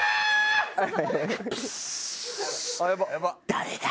誰だ？